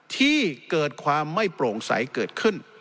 ที่เกิดความไม่โปร่งใสเกิดขึ้น